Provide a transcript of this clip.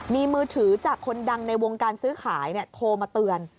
มีมือถือจากคนดังในวงการซื้อขายโทรมาเตือน